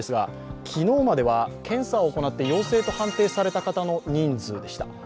昨日までは検査を行って陽性と判定された方の人数でした。